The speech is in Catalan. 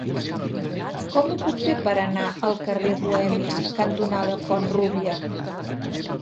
Com ho puc fer per anar al carrer Bohemis cantonada Font-rúbia?